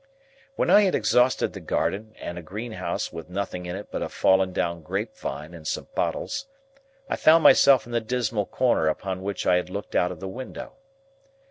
When I had exhausted the garden and a greenhouse with nothing in it but a fallen down grape vine and some bottles, I found myself in the dismal corner upon which I had looked out of the window.